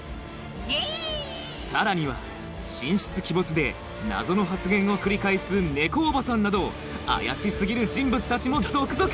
さらには神出鬼没で謎の発言を繰り返す猫おばさんなど怪し過ぎる人物たちも続々！